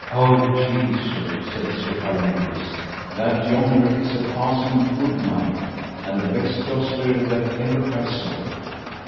O Jesu, said Sir Palomides, that yonder is a passing good knight, and the best jouster that ever I saw.